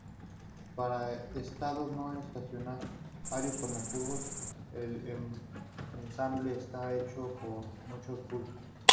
Para estados no estacionarios, como pulsos, el ensemble está hecho de muchos pulsos.